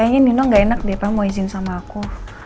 kayaknya nino gak enak deh pak mau izin sama aku